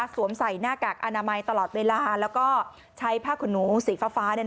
สวมใส่หน้ากากอนามัยตลอดเวลาแล้วก็ใช้ผ้าขนหนูสีฟ้า